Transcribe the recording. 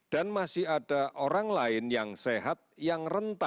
dan masih ada orang lain yang sehat yang rentan